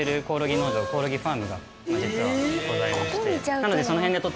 農場コオロギファームが実はございまして。